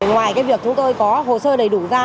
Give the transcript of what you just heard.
ngoài cái việc chúng tôi có hồ sơ đầy đủ ra